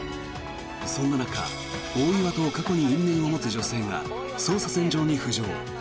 そんな中大岩と過去に因縁を持つ女性が捜査線上に浮上。